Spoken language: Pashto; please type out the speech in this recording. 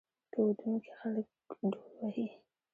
په ودونو کې خلک ډول وهي.